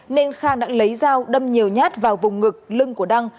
nên khang đã lấy dao đâm nhiều nhát vào vùng ngực lưng của đăng